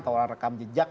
tawaran rekam jejak